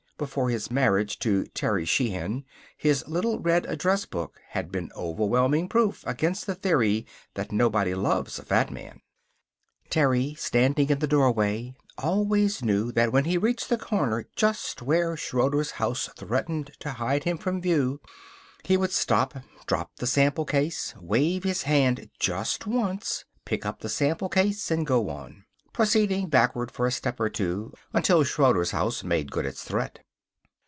Before his marriage to Terry Sheehan his little red address book had been overwhelming proof against the theory that nobody loves a fat man. Terry, standing in the doorway, always knew that when he reached the corner just where Schroeder's house threatened to hide him from view, he would stop, drop the sample case, wave his hand just once, pick up the sample case and go on, proceeding backward for a step or two until Schroeder's house made good its threat.